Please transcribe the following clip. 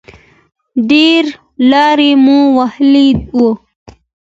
ډېره لاره مو وهلې وه.